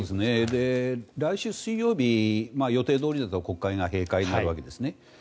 来週水曜日予定どおりだったら国会が閉会になるわけですね。